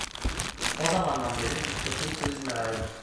O zamandan beri dikkatini turizme verdi.